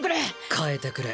代えてくれ。